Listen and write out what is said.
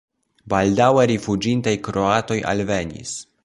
Baldaŭe rifuĝintaj kroatoj alvenis.